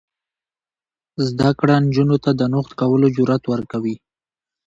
زده کړه نجونو ته د نوښت کولو جرات ورکوي.